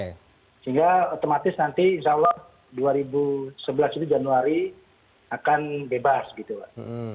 sehingga otomatis nanti insya allah dua ribu sebelas itu januari akan bebas gitu pak